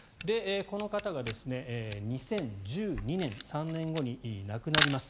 この方が２０１２年３年後に亡くなります。